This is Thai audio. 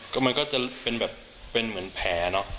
ก็มันก็จะเป็นแบบเป็นเหมือนแผลเนอะ